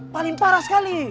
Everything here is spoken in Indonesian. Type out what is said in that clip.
paling parah sekali